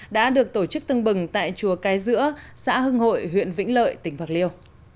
đã được tổ chức tân bừng tại chùa cai dữa xã hưng hội huyện vĩnh lợi tỉnh phạc liêu